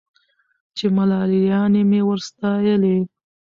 چي ملالیاني مي ور ستایلې